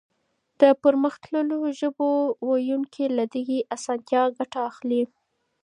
د پرمختللو ژبو ويونکي له دغې اسانتيا ښه ګټه اخلي.